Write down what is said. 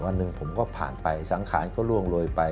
วันหนึ่งผมก็ผ่านไปสังขารก็ล่วงโรยไป